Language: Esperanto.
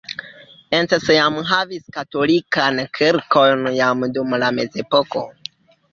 Encs jam havis katolikajn kirkon jam dum la mezepoko.